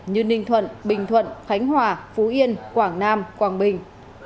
như ninh thuận bình thuận khánh hòa phú yên quảng nam quảng bình